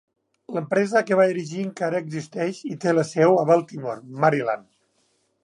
L'empresa que va erigir encara existeix i té la seu a Baltimore, Maryland.